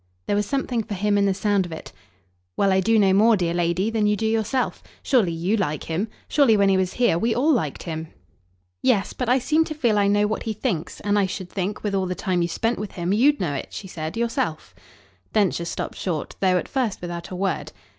There was something for him in the sound of it. "Well, I do no more, dear lady, than you do yourself. Surely YOU like him. Surely, when he was here, we all liked him." "Yes, but I seem to feel I know what he thinks. And I should think, with all the time you spent with him, you'd know it," she said, "yourself." Densher stopped short, though at first without a word.